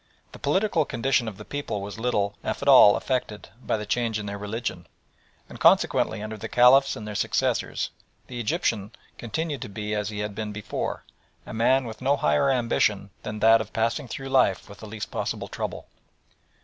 The political condition of the people was little, if at all, affected by the change in their religion; and consequently, under the Caliphs and their successors, the Egyptian continued to be as he had been before a man with no higher ambition than that of passing through life with the least possible trouble.